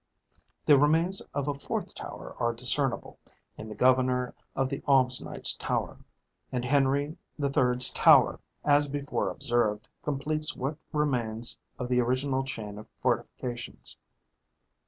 The remains of a fourth tower are discernible in the Governor of the Alms Knights' Tower; and Henry the Third's Tower, as before observed, completes what remains of the original chain of fortifications.